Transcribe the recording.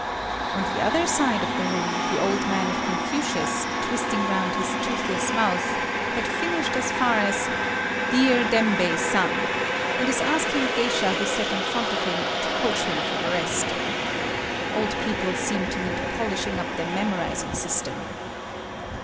On other side of the room, the old man of Confucius, twisting round his toothless mouth, had finished as far as "…… dear Dembei san" and is asking a geisha who sat in front of him to couch him for the rest. Old people seem to need polishing up their memorizing system.